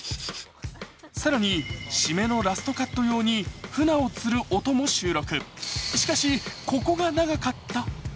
更に、締めのラストカット用にフナを釣る音を収録。